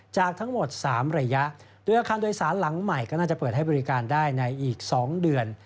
จากทั้งหมด๓ระยะโดยอาคารโดยสารหลังใหม่ก็น่าจะเปิดให้บริการได้ในอีก๒เดือน